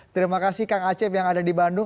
terima kasih kang acep yang ada di bandung